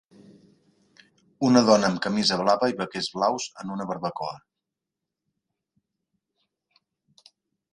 Una dona amb camisa blava i vaquers blaus en una barbacoa.